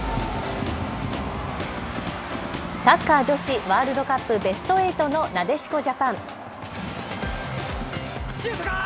サッカー女子ワールドカップベスト８のなでしこジャパン。